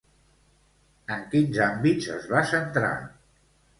En quins àmbits es va centrar?